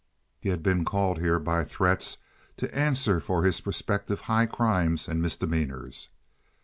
He had been called here by threats to answer for his prospective high crimes and misdemeanors.